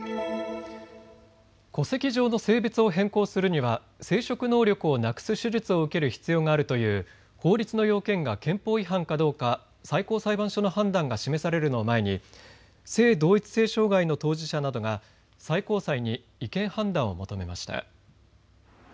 戸籍上の性別を変更するには生殖能力をなくす手術を受ける必要があるという法律の要件が憲法違反かどうか最高裁判所の判断が示されるのを前に性同一性障害の当事者などが最高裁に違憲判断を求めました。